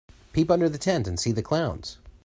Peep under the tent and see the clowns.